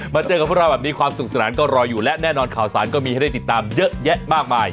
มาเจอกับพวกเราความศึกษาหรันก็รอยอยู่และแน่นอนข่าวสารก็มีให้ได้ติดตามเยอะแยะมากมาย